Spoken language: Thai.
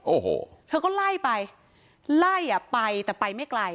โอ้โหเธอก็ไล่ไปไล่อ่ะไปแต่ไปไม่ไกล